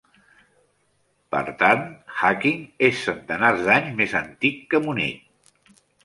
Per tant, Haching és centenars d'anys més antic que Munic.